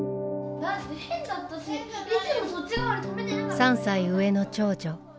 ３歳上の長女。